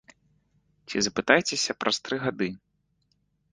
Ці запытайцеся праз тры гады.